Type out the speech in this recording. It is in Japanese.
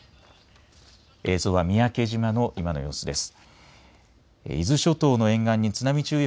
映像は三宅島の今の様子です。